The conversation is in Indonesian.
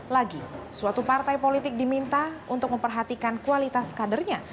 lagi suatu partai politik diminta untuk memperhatikan kualitas kadernya